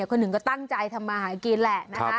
คนหนึ่งก็ตั้งใจทำมาหากินแหละนะคะ